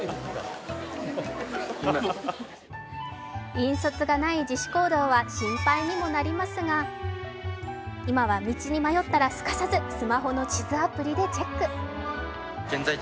引率がない自主行動は心配にもなりますが今は道に迷ったらすかさずスマホの地図アプリでチェック。